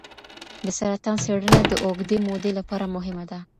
د سرطان څېړنه د اوږدې مودې لپاره مهمه ده.